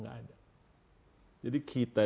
gak ada jadi kita